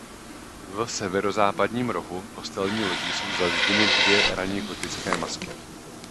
V severozápadním rohu kostelní lodi jsou zazděny dvě raně gotické masky.